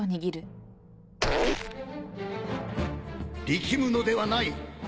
力むのではない